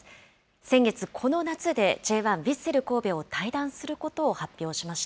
先月、この夏でＪ１・ヴィッセル神戸を退団することを発表しました。